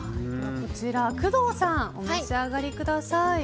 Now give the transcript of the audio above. こちら、工藤さんお召し上がりください。